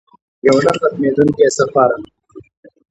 یو نه ختمیدونکی سفر.